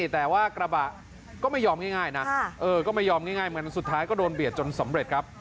แต่ว่ากระบะก็ไม่ยอมง่ายนะสุดท้ายก็โดนเบียดจนสำเร็จครับ